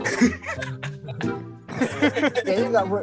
kayaknya gak pura pura